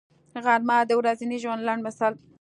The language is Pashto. غرمه د ورځني ژوند لنډ تمثیل دی